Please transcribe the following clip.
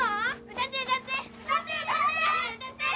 歌って歌って！